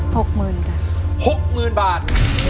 หกหมื่นจ้ะหกหมื่นบาท